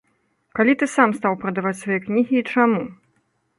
Калі ты сам стаў прадаваць свае кнігі і чаму?